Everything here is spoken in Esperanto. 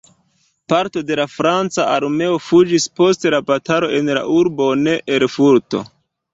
Parto de la franca armeo fuĝis post la batalo en la urbon Erfurto.